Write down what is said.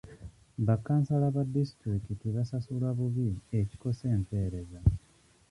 Ba kansala ba disitulikiti basasulwa bubi ekikosa empeereza.